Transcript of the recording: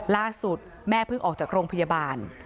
ล่าสุดแม่เพิ่งออกจากโรงพยาบาล